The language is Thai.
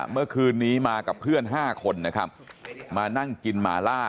เมื่อคืนนี้มากับเพื่อน๕คนนะครับมานั่งกินหมาล่า